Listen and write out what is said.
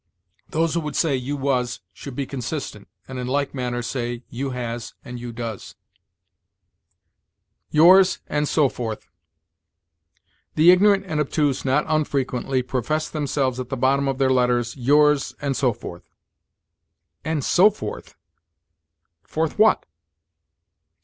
_ Those who would say you was should be consistent, and in like manner say you has and you does. YOURS, &C. The ignorant and obtuse not unfrequently profess themselves at the bottom of their letters "Yours, &c." And so forth! forth what?